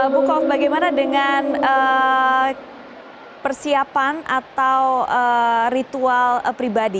bukov bagaimana dengan persiapan atau ritual pribadi